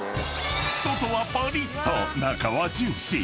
［外はパリッと中はジューシー］